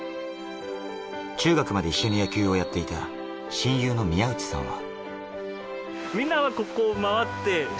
中学まで一緒に野球をやっていた親友の宮内さんは。